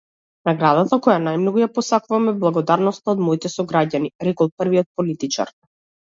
Наградата која најмногу ја посакувам е благодарноста од моите сограѓани, рекол првиот политичар.